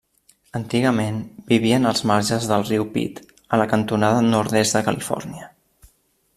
Antigament vivien als marges del riu Pit a la cantonada nord-est de Califòrnia.